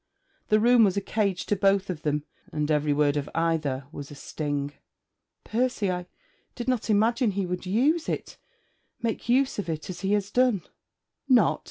The room was a cage to both of them, and every word of either was a sting. 'Percy, I did not imagine he would use it make use of it as he has done.' 'Not?